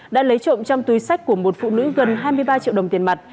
đã lấy trộm trong túi sách của một phụ nữ gần hai mươi ba triệu đồng tiền mặt